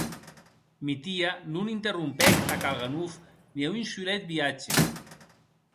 Mitia non interrompec a Kalganov ne un solet viatge.